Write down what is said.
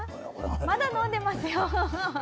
まだ飲んでますよ。